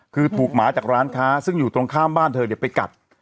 คือถูกหมาจากร้านค้าซึ่งอยู่ตรงข้ามบ้านเธอไปกัด